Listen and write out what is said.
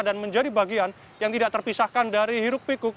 dan menjadi bagian yang tidak terpisahkan dari hiruk pikuk